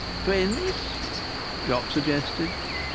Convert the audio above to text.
"Twins," Jock suggested.